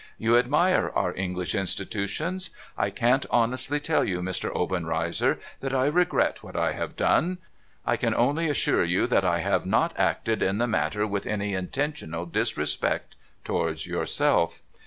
'You admire our English institutions. I can't honestly tell you, Mr. Obenreizer, that I regret what I have done. I can only assure you that I have not acted in the matter with any intentional disrespect towards yourself.